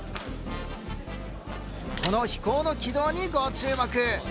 この飛行の軌道にご注目。